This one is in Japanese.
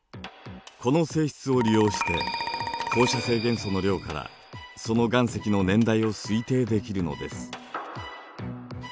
この性質を利用して放射性元素の量からその岩石の年代を推定できるのです。